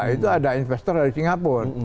itu ada investor dari singapura